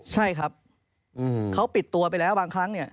ใช่ครับเขาปิดตัวไปแล้วบางครั้งเนี่ย